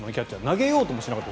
投げようともしなかった。